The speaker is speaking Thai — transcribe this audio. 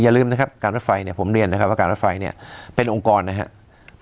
อย่าลืมนะครับการรถไฟเนี่ยผมเรียนนะครับว่าการรถไฟเนี่ยเป็นองค์กรนะครับ